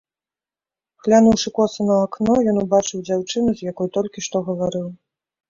Глянуўшы коса на акно, ён убачыў дзяўчыну, з якой толькі што гаварыў.